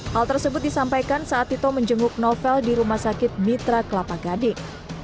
hal tersebut disampaikan saat tito menjenguk novel di rumah sakit mitra kelapa gading